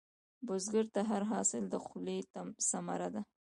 بزګر ته هر حاصل د خولې ثمره ده